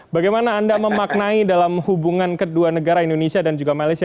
bagaimana anda memaknai dalam hubungan kedua negara indonesia dan juga malaysia